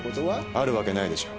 あるわけないでしょう。